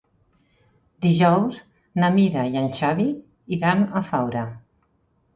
Dijous na Mira i en Xavi iran a Faura.